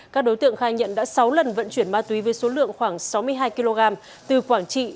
các đối tượng khai nhận đã sáu lần vận chuyển ma túy với số lượng khoảng sáu mươi hai kg từ quảng trị